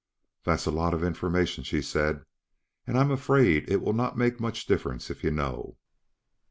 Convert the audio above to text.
"That is a lot of information," she said, "and I am afraid it will not make much difference if you know.